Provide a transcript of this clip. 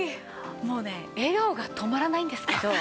もうね笑顔が止まらないんですけど。